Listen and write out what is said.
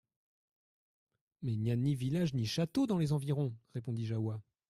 Mais il n'y a ni village ni château dans les environs ! répondit Jahoua.